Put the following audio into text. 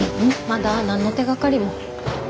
まだ何の手がかりも。